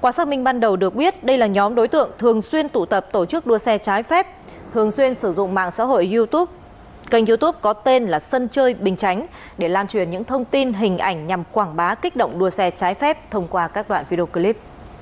quả xác minh ban đầu được biết đây là nhóm đối tượng thường xuyên tụ tập tổ chức đua xe trái phép thường xuyên sử dụng mạng xã hội youtube kênh youtube có tên là sân chơi bình chánh để lan truyền những thông tin hình ảnh nhằm quảng bá kích động đua xe trái phép thông qua các đoạn video clip